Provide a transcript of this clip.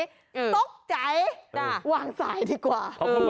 ตกใจวางสายดีกว่า